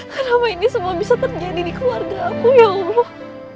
kenapa ini semua bisa terjadi di keluarga aku ya allah